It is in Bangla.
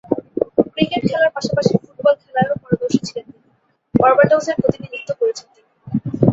ক্রিকেট খেলার পাশাপাশি ফুটবল খেলায়ও পারদর্শী ছিলেন তিনি। বার্বাডোসের প্রতিনিধিত্ব করেছেন তিনি।